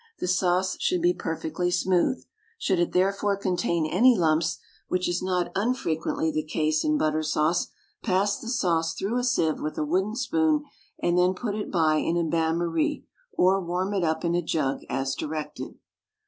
The sauce should be perfectly smooth. Should it therefore contain any lumps, which is not unfrequently the case in butter sauce, pass the sauce through a sieve with a wooden spoon and then put it by in a bain marie, or warm it up in a jug as directed.